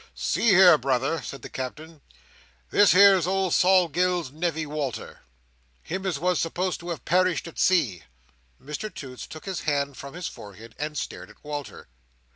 "See here, Brother," said the Captain. "This here's old Sol Gills's nevy Wal"r. Him as was supposed to have perished at sea." Mr Toots took his hand from his forehead, and stared at Walter.